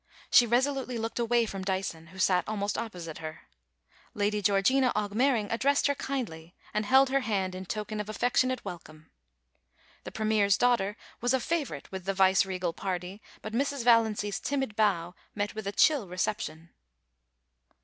She resolutely looked away from Dyson, who sat almost opposite her. Lady Georgina Augmering addressed her kindly, and held her hand in token of affectionate welcome. The Premier's daughter was a favourite with the viceregal party, but Mrs. Valiancy's timid bow met with a chill reception.